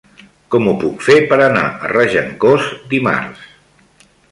Com ho puc fer per anar a Regencós dimarts?